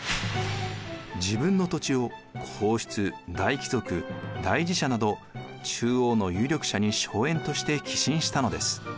自分の土地を皇室・大貴族大寺社など中央の有力者に荘園として寄進したのです。